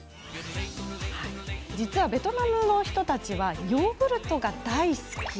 実は、ベトナムの人たちはヨーグルトが大好き。